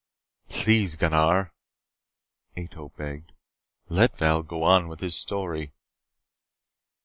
"Please, Gunnar," Ato begged. "Let Val go on with his story."